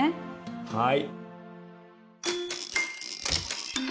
はい。